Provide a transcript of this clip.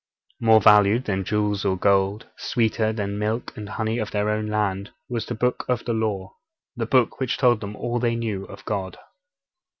More valued than jewels or gold, sweeter than the milk and honey of their own land, was the Book of the Law the Book which told them all they knew of God.